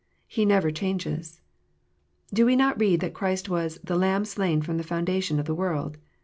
He never changes. Do we not read that Christ was " the Lamb slain from the foundation of the world?"